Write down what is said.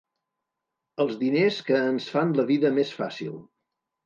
Els diners que ens fan la vida més fàcil.